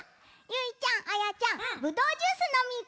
ゆいちゃんあやちゃんブドウジュースのみにいこう！